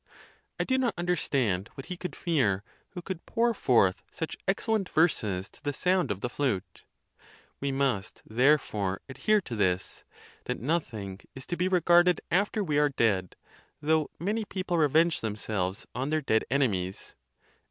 I do not understand what he could fear who could pour forth such excellent verses to the sound of the flute. We must, therefore, adhere to this, that nothing is to be re garded after we are dead, though many people revenge themselves on their dead enemies.